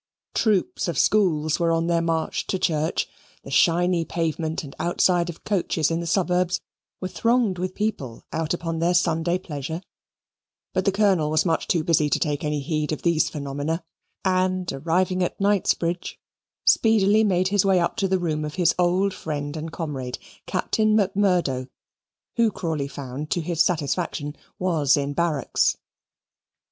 Troops of schools were on their march to church, the shiny pavement and outsides of coaches in the suburbs were thronged with people out upon their Sunday pleasure; but the Colonel was much too busy to take any heed of these phenomena, and, arriving at Knightsbridge, speedily made his way up to the room of his old friend and comrade Captain Macmurdo, who Crawley found, to his satisfaction, was in barracks.